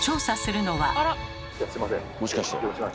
もしかして。